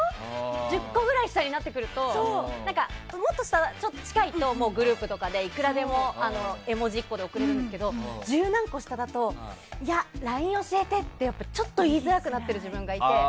１０個ぐらい下になってくると近いと、グループとかでいくらでも絵文字１個で送れるんですけど十何個下だとＬＩＮＥ教えてってちょっと言いづらくなってる自分がいて。